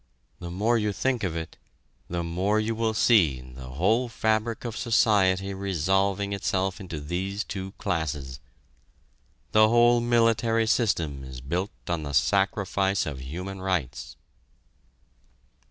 The more you think of it, the more you will see the whole fabric of society resolving itself into these two classes. The whole military system is built on the sacrifice of human rights."